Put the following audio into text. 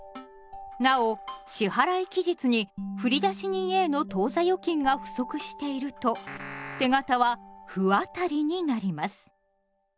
なお支払期日に振出人Ａの当座預金が不足していると手形は不渡りになります。